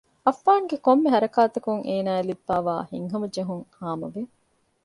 އައްފާންގެ ކޮންމެ ހަރަކާތަކުން އޭނާއަށް ލިބިފައިވާ ހިތްހަމަޖެހުން ހާމަވެ